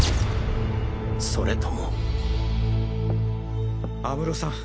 それとも安室さん。